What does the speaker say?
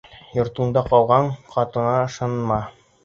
Йортонда ҡалғаң ҡатыныңа ышанма.